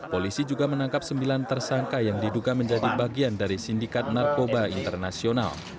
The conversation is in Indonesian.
polisi juga menangkap sembilan tersangka yang diduga menjadi bagian dari sindikat narkoba internasional